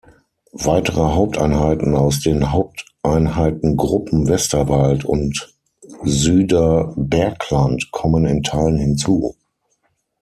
Weitere Haupteinheiten aus den Haupteinheitengruppen "Westerwald" und "Süderbergland" kommen in Teilen hinzu:.